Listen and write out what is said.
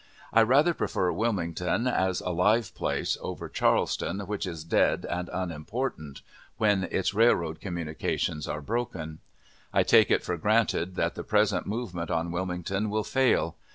I rather prefer Wilmington, as a live place, over Charleston, which is dead and unimportant when its railroad communications are broken. I take it for granted that the present movement on Wilmington will fail.